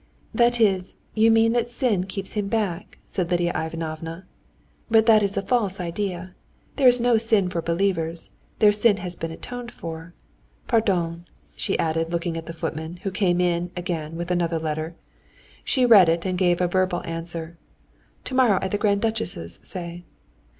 "That is, you mean that sin keeps him back?" said Lidia Ivanovna. "But that is a false idea. There is no sin for believers, their sin has been atoned for. Pardon," she added, looking at the footman, who came in again with another letter. She read it and gave a verbal answer: "Tomorrow at the Grand Duchess's, say."